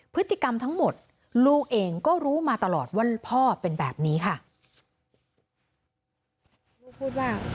พฤติกรรมทั้งหมดลูกเองก็รู้มาตลอดว่าพ่อเป็นแบบนี้ค่ะ